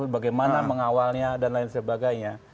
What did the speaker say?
bagaimana mengawalnya dan lain sebagainya